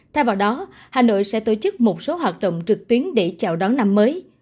thay vào đó hà nội sẽ tổ chức một số hoạt động trực tuyến để chào đón năm mới